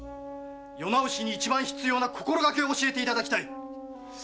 世直しに一番必要な心掛けを教えていただきたい！